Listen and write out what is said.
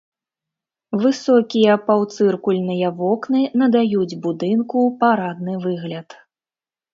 Высокія паўцыркульныя вокны надаюць будынку парадны выгляд.